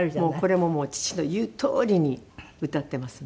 これも父の言うとおりに歌っていますね。